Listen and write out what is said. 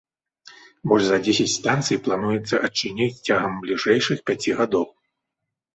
Больш за дзесяць станцый плануецца адчыніць цягам бліжэйшых пяці гадоў.